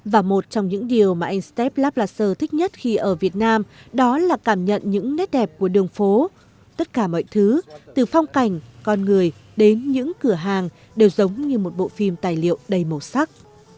và một trong những điều mà anh step lablasse thích nhất khi ở việt nam đó là cảm nhận những nét đẹp của đường phố tất cả mọi thứ từ phong cảnh con người đến những cửa hàng đều giống như một bộ phim tài liệu đầy màu sắc